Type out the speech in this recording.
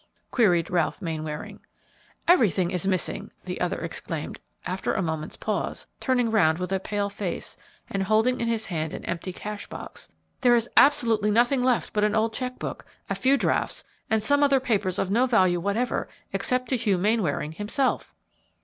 queried Ralph Mainwaring. "Everything is missing!" the other exclaimed, after a moment's pause, turning around with a pale face and holding in his hand an empty cash box; "there is absolutely nothing left but an old cheque book, a few drafts, and some other papers of no value whatever except to Hugh Mainwaring himself!"